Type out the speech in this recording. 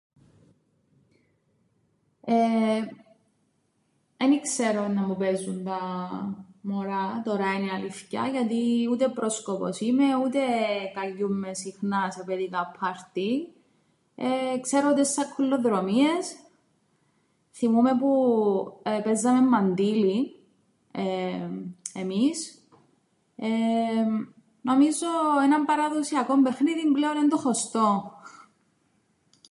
Εεε, εν ι-ξέρω ίνναμπου παίζουν τα μωρά τωρά εν' η αλήθκεια γιατί ούτε πρόσκοπος είμαι ούτε καλιούν με συχνά σε παιδικά ππάρτι, εεε ξέρω τες σακκουλλοδρομίες, θθυμούμαι που επαίζαμεν μαντίλιν εεε εμείς. Εμμ, νομίζω έναν παραδοσιακόν παιχνίδιν πλέον εν' το χωστόν.